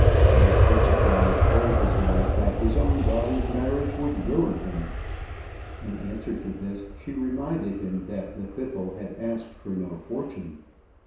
Lord Persiflage told his wife that his daughter's marriage would ruin him. In answer to this she reminded him that Llwddythlw had asked for no fortune.